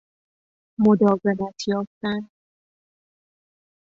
مداومت یافتن